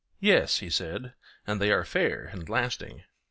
Yes, he said; and they are fair and lasting.